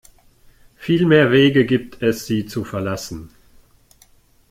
Viel mehr Wege gibt es, sie zu verlassen.